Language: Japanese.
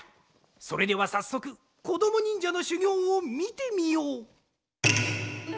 それではさっそくこどもにんじゃのしゅぎょうをみてみよう！